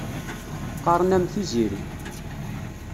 Qqaṛen-am Tiziri.